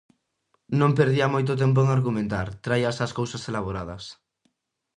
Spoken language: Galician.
Non perdía moito tempo en argumentar, traía xa as cousas elaboradas.